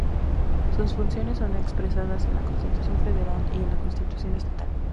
Sus funciones son expresadas en la Constitución Federal y en la Constitución Estatal.